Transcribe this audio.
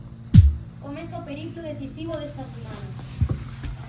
Comeza o periplo decisivo desta semana.